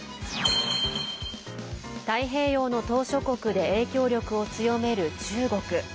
太平洋の島しょ国で影響力を強める中国。